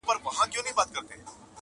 نور بيا د ژوند عادي چارو ته ستنېږي ورو,